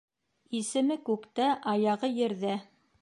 Исеме күктә, аяғы ерҙә.